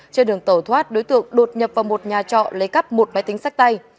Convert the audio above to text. trên đường tàu thoát đối tượng đột nhập vào một nhà trọ lấy cắp một máy tính sách tay